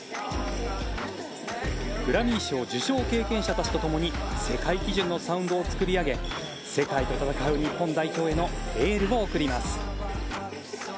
グラミー賞受賞経験者たちとともに世界基準のサウンドを作り上げ世界と戦う日本代表へのエールを送ります。